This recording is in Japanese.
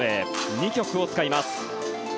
２曲を使います。